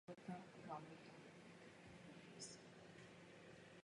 Mezinárodní svaz ochrany přírody hodnotí čápa východního jako ohroženého.